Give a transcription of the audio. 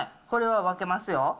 これは分けますよ。